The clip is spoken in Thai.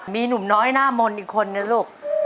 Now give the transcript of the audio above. มีหนุ่มน้อยหน้ามนต์อีกคนนะลูก